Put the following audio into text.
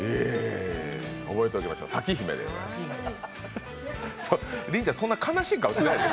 覚えておきましょう、咲姫でございます。